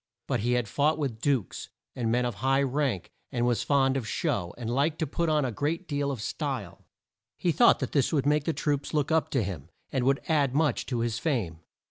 But he had fought with dukes, and men of high rank, and was fond of show, and liked to put on a great deal of style. He thought that this would make the troops look up to him, and would add much to his fame.